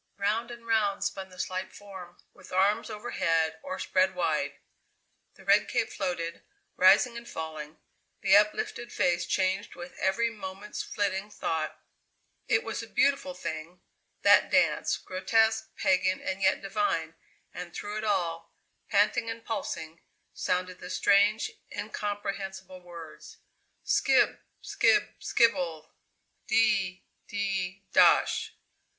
Round and round spun the slight form, with arms over head or spread wide. The red cape floated, rising and falling; the uplifted face changed with every moment's flitting thought. It was a beautiful thing, that dance, grotesque, pagan, and yet divine, and through it all, panting and pulsing, sounded the strange, incomprehensible words: "Skib, skib, skibble de de dosh!"